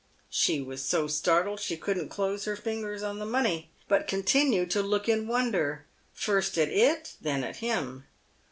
She was so startled she couldn't close her fingers on the money, but continued to look in wonder, first at it, then at him.